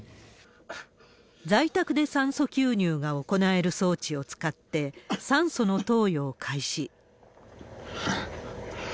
在宅で酸素吸入が行える装置を使って、酸素の投与を開始。